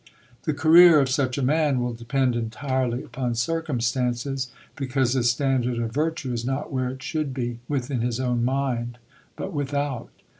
The career of such a man will depend entirely upon circumstances; because his standard of virtue is not where it should be, within his own mind, but without.